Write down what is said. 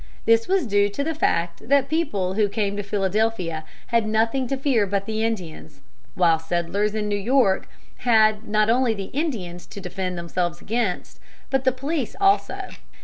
This was due to the fact that the people who came to Philadelphia had nothing to fear but the Indians, while settlers in New York had not only the Indians to defend themselves against, but the police also.